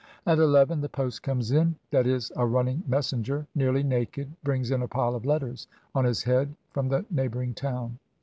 At eleven the post comes in; that is, a running mes senger, nearly naked, brings in a pile of letters on his head from the neighboring town.